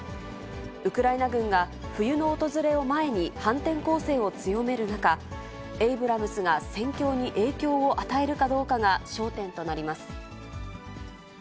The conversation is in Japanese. ウクライナ軍が、冬の訪れを前に、反転攻勢を強める中、エイブラムスが戦況に影響を与えるかどうかが焦点となります。